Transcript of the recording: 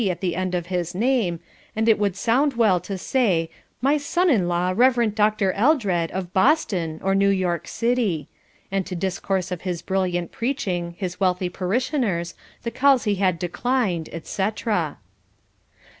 at the end of his name, and it would sound well to say "My son in law, Rev. Dr. Eldred, of Boston, or New York City," and to discourse of his brilliant preaching, his wealthy parishioners, the calls he had declined, etc. St.